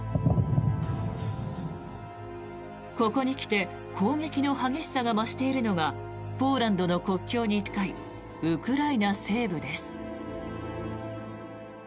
ここに来て攻撃の激しさが増しているのがポーランドの国境に近いウクライナ西部です。